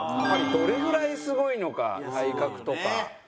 どれぐらいすごいのか体格とか。